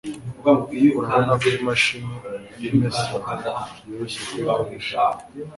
Urabona ko imashini imesa yoroshye kuyikoresha?